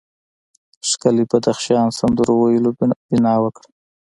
ښکلي بدخشان سندرو ویلو بنا وکړه.